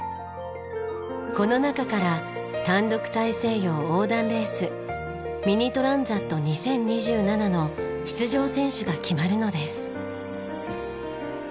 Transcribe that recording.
この中から単独大西洋横断レースミニ・トランザット２０２７の出場選手が決まるのです。